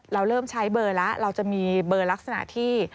เราเริ่มใช้เบอร์แล้วเราจะมีเบอร์ลักษณะที่